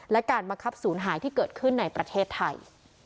และการบังคับศูนย์หายที่เกิดขึ้นในประเทศไทย